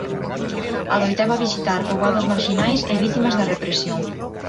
Adoitaba visitar poboados marxinais e vítimas da represión.